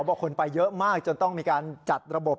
บอกคนไปเยอะมากจนต้องมีการจัดระบบ